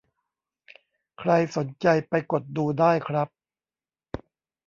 ใครสนใจไปกดดูได้ครับ